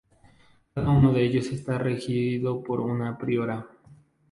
Cada uno de ellos está regido por una priora.